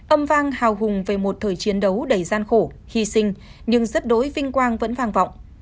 âm vang hào hùng về một thời chiến đấu đầy gian khổ hy sinh nhưng rất đối vinh quang vẫn vang vọng